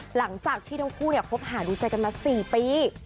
หลังจากที่ทั้งคู่คบหาดูใจกันมา๔ปี